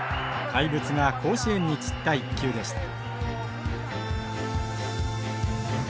怪物が甲子園に散った一球でした。